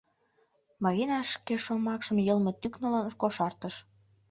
— Марина шке шомакшым йылме тӱкнылын кошартыш.